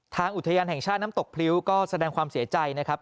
อุทยานแห่งชาติน้ำตกพริ้วก็แสดงความเสียใจนะครับ